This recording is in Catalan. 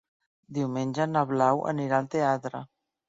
Diumenge na Blau anirà al teatre.